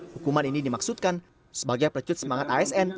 hukuman ini dimaksudkan sebagai pelecut semangat asn